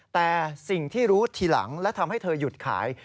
แต่สิ่งที่รู้ทีหลังและทำให้เธอหยุดขาย